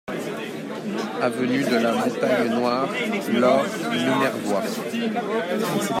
Avenue de la Montagne Noire, Laure-Minervois